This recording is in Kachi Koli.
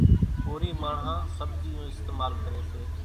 ڪورِي ماڻۿان سٻزِيوُن اِستمال ڪريَ سي۔